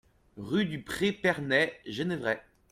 Rue du Pré Perney, Genevrey